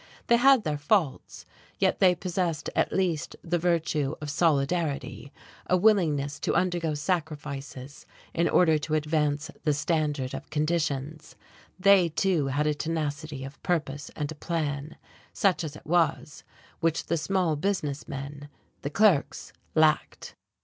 They had their faults, yet they possessed at least the virtue of solidarity, a willingness to undergo sacrifices in order to advance the standard of conditions; they too had a tenacity of purpose and a plan, such as it was, which the small business men, the clerks lacked....